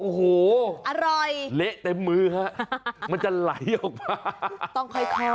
โอ้โหอร่อยเหละเต็มมือค่ะมันจะไหลออกมา